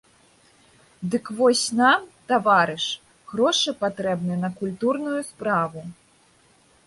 Дык вось нам, таварыш, грошы патрэбны на культурную справу.